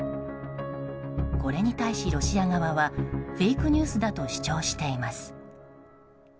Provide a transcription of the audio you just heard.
これに対し、ロシア側はフェイクニュースだと主張しています。